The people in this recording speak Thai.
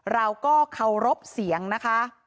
เราก็เคารพเสียงนะคะ